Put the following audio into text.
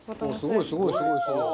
すごいすごいすごいすごい。